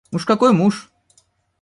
Уж какой муж...